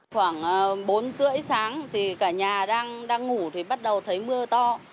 khoảng bốn rưỡi sáng thì cả nhà đang ngủ thì bắt đầu thấy mưa to